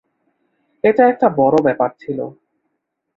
এটা একটা বড় ব্যাপার ছিল।